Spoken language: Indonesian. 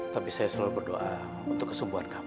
tapi saya selalu berdoa untuk kesembuhan kamu